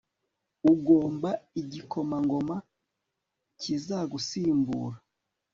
Ugomba igikomangoma kizagusimbura